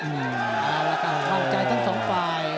เอาละก็ปัจจัยทั้งสองฝ่าย